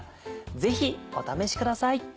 ぜひお試しください。